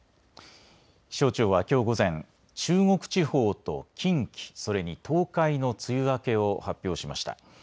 気象庁はきょう午前、中国地方と近畿、それに東海の梅雨明けを発表しました。